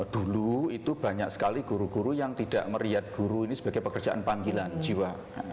dulu itu banyak sekali guru guru yang tidak meriat guru ini sebagai pekerjaan panggilan jiwa